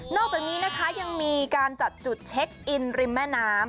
อกจากนี้นะคะยังมีการจัดจุดเช็คอินริมแม่น้ำ